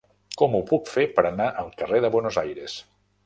Com ho puc fer per anar al carrer de Buenos Aires?